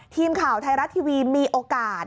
ทีมข่าวไทยรัฐทีวีมีโอกาส